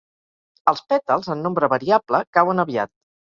Els pètals, en nombre variable, cauen aviat.